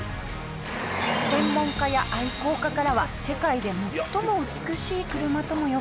専門家や愛好家からは世界で最も美しい車とも呼ばれているんです。